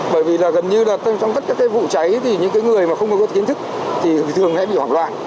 bởi vì gần như trong tất cả các vụ cháy những người không có kiến thức thì thường bị hoảng loạn